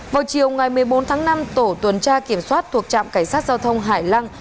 vào chiều ngày một mươi bốn tháng năm tổ tuần tra kiểm soát thuộc trạm cảnh sát giao thông hải lăng